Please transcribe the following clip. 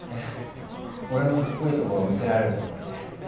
俺のかっこいいところを見せられると思って。